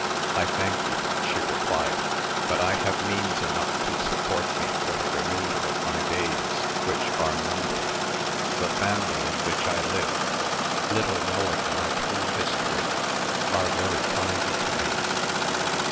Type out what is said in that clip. "I thank you," she replied; "but I have means enough to support me for the remainder of my days, which are numbered. The family in which I live, little knowing my true history, are very kind to me."